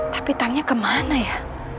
tapi tangnya kemanee ya